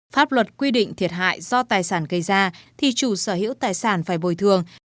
pháp luật quy định thiệt hại do tài sản gây ra thì chủ sở hữu tài sản phải bồi thường